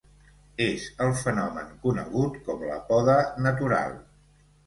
És el fenomen conegut com la poda natural.